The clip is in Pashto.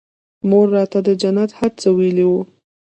مور راته د جنت هر څه ويلي وو.